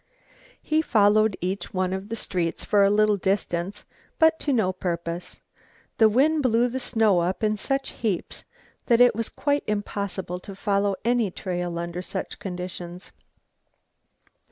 He followed each one of the streets for a little distance, but to no purpose. The wind blew the snow up in such heaps that it was quite impossible to follow any trail under such conditions.